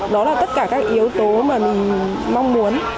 đó là tất cả các yếu tố mà mình mong muốn